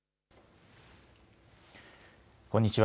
こんにちは。